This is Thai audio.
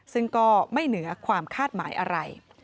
ซึ่งก็ไม่เหนือความคาดหมายอะไร